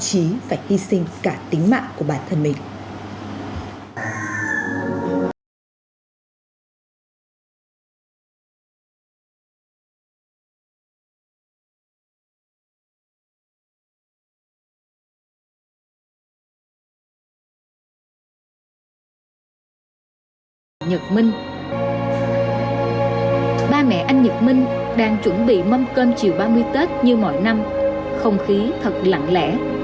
chuẩn bị mâm cơm chiều ba mươi tết như mọi năm không khí thật lặng lẽ